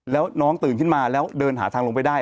แล้วน้องตื่นขึ้นมาแล้วเดินหาทางลงไปได้